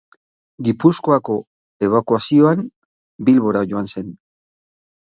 Gipuzkoako ebakuazioan Bilbora joan zen.